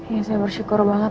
ya saya bersyukur banget